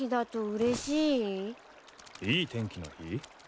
いい天気の日？